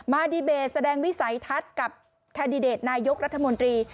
ดีเบตแสดงวิสัยทัศน์กับแคนดิเดตนายกรัฐมนตรี